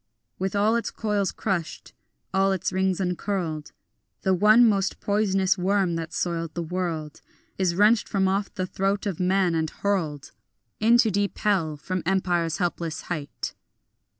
With all its coils crushed, all its rings uncurled, The one most poisonous worm that soiled the world Is wrenched from off the throat of man, and hurled Into deep hell from empire's helpless height.